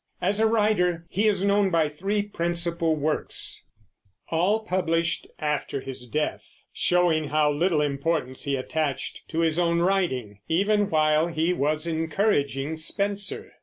As a writer he is known by three principal works, all published after his death, showing how little importance he attached to his own writing, even while he was encouraging Spenser.